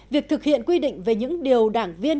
việc thực hiện quy định về những điều đảng viên